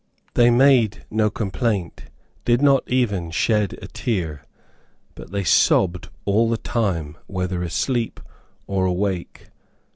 They made no complaint, did not even shed a tear, but they sobbed all the time, whether asleep or awake.